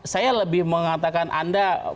saya lebih mengatakan anda